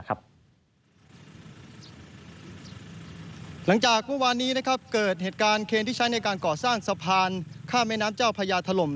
หลังจากเมื่อวานนี้เกิดเหตุการณ์เคนที่ใช้ในการก่อสร้างสะพานข้ามแม่น้ำเจ้าพญาถล่ม